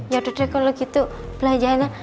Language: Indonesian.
yaudah deh kalo gitu belajarnya